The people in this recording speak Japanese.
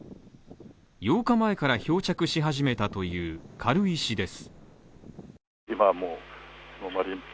８日前から漂着し始めたという軽石です。